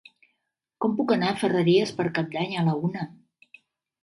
Com puc anar a Ferreries per Cap d'Any a la una?